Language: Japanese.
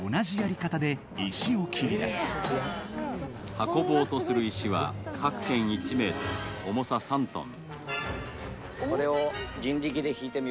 運ぼうとする石は、各辺１ｍ重さ３トン。